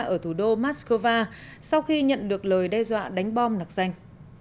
ở thủ đô moscow sau khi nhận được lời đe dọa đánh bom nạc danh